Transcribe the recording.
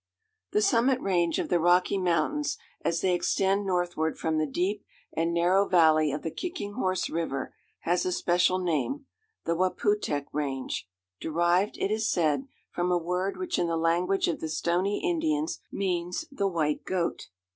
_ The Summit Range of the Rocky Mountains as they extend northward from the deep and narrow valley of the Kicking Horse River has a special name—the Waputehk Range,—derived, it is said, from a word which in the language of the Stoney Indians means the White Goat.